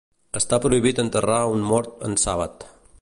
Està prohibit enterrar un mort en Sàbat.